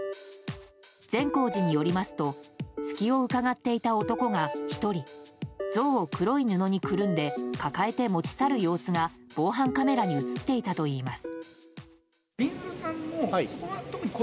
善光寺によりますと隙をうかがっていた男が１人像を黒い布にくるんで抱えて持ち去る様子が防犯カメラに映っていたといいます。